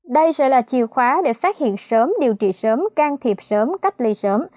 đây sẽ là chìa khóa để phát hiện sớm điều trị sớm can thiệp sớm cách ly sớm